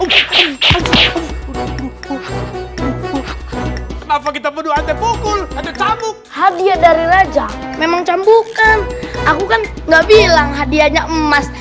kenapa kita berdua tepuk hdia dari raja memang campurkan aku kan nggak bilang hadiahnya emas